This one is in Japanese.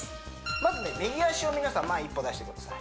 まずね右脚を皆さん前に一歩出してください